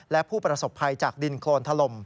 และผู้ประสบภัยจากดินโครนถล่ม